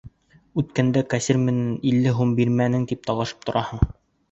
Үткәндә кассир менән илле һум бирмәнең тип талашып тораһың!